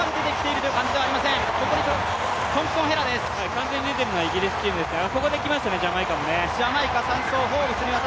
完全に出ているのはイギリスですね。